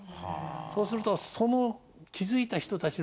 そうするとその築いた人たちの思い。